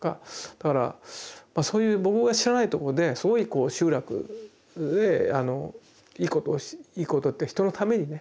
だからそういう僕が知らないところですごい集落へいいことをいいことって人のためにね